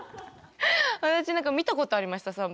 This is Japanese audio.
私何か見たことありました３番。